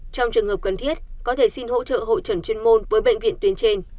trong trường hợp cần thiết có thể xin hỗ trợ hội trần chuyên môn với bệnh viện tuyến trên